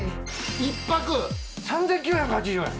１泊３，９８０円！